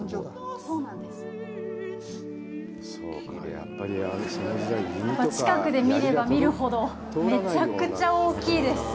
やっぱり近くで見れば見るほどめちゃくちゃ大きいです！